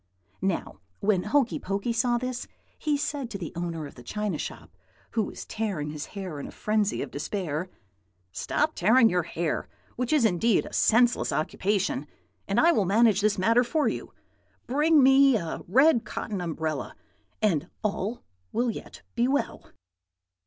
"Now when Hokey Pokey saw this, he said to the owner of the china shop, who was tearing his hair in a frenzy of despair, 'Stop tearing your hair, which is indeed a senseless occupation, and I will manage this matter for you. Bring me a red cotton umbrella, and all will yet be well.'